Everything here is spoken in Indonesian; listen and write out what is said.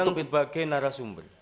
ya eksternal dibentang sebagai narasumber